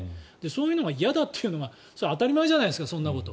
そういうのが嫌だというのが当たり前じゃないですかそんなこと。